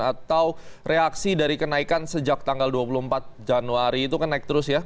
atau reaksi dari kenaikan sejak tanggal dua puluh empat januari itu kan naik terus ya